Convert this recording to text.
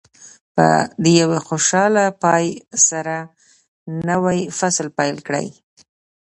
د یوه خوشاله پای سره نوی فصل پیل کړئ.